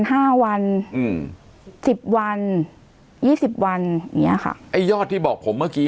ห้าวันอืมสิบวันยี่สิบวันอย่างเงี้ยค่ะไอ้ยอดที่บอกผมเมื่อกี้